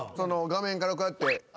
画面からこうやって。